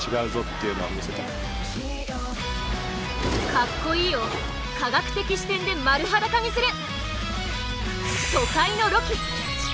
「カッコいい」を科学的視点で丸裸にする。